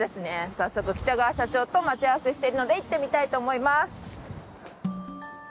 早速北川社長と待ち合わせしてるので行ってみたいと思います。